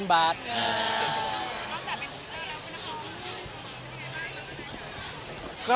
ออกจากเป็นจุดเจ้าแล้วครับครับ